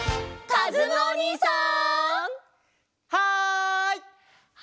かずむおにいさん！